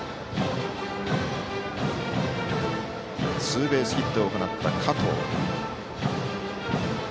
ツーベースヒットを放った加藤。